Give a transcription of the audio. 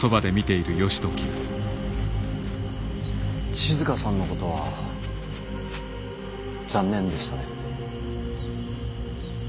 静さんのことは残念でしたね。